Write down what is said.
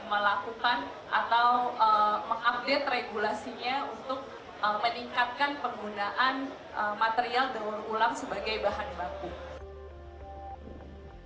melakukan atau mengupdate regulasinya untuk meningkatkan penggunaan material daur ulang sebagai bahan baku